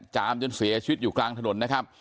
จามจนเสียชีวิตอยู่กลางถนนนะครับ